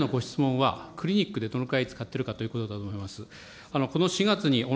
先生のご質問はクリニックでどのぐらい使っているかということだと思います。